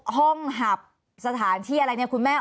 ตอนที่จะไปอยู่โรงเรียนนี้แปลว่าเรียนจบมไหนคะ